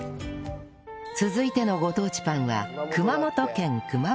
続いてのご当地パンは